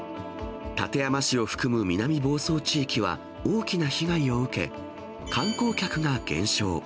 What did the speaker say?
館山市を含む南房総地域は大きな被害を受け、観光客が減少。